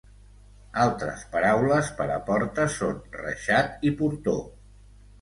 Altres paraules per a porta són reixat i portó.